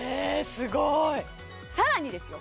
すごいさらにですよ